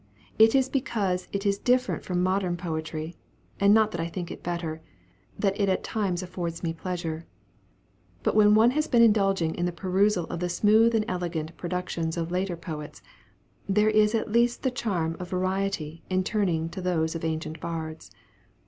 It is because it is different from modern poetry, and not that I think it better, that it at times affords me pleasure. But when one has been indulging in the perusal of the smooth and elegant productions of later poets, there is at least the charm of variety in turning to those of ancient bards.